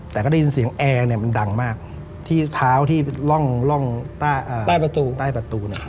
แต่ก็ได้ยินเสียงแอร์เนี่ยมันดังมากที่เท้าที่ร่องต้ายประตู